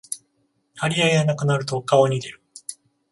張り合いがなくなると顔に出る